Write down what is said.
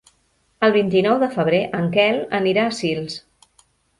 El vint-i-nou de febrer en Quel anirà a Sils.